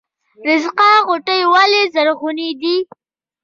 رستاق غونډۍ ولې زرغونې دي؟